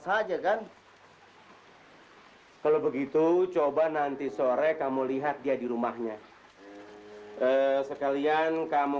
saja kan kalau begitu coba nanti sore kamu lihat dia di rumahnya sekalian kamu